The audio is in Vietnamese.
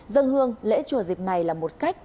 dân hương lễ chùa dịp này là một cách